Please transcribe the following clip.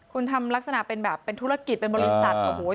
คุณทำลักษณะเป็นแบบเป็นธุรกิจเป็นบริษัทโอ้โห